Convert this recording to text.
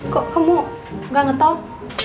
kok kamu gak ngetok